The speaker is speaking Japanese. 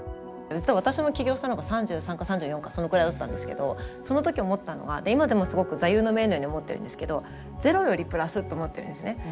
実は私も起業したのが３３か３４かそのくらいだったんですけどその時思ったのは今でもすごく座右の銘のように思ってるんですけどゼロよりプラスと思ってるんですね。